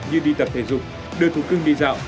như đi tập thể dục đưa thú cưng đi dạo